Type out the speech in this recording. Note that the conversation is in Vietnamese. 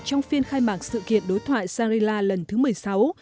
trong phiên khai mạc sự kiện đối thoại shangri la lần thứ một mươi sáu